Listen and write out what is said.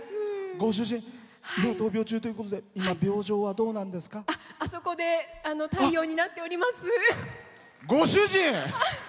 ご主人闘病中ということであそこで太陽になっております。